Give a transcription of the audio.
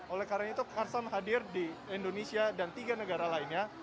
oleh karena itu karsam hadir di indonesia dan tiga negara lainnya